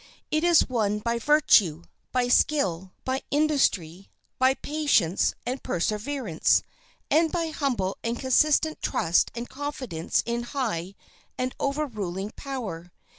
It is won by virtue, by skill, by industry, by patience and perseverance, and by humble and consistent trust and confidence in a high and overruling power.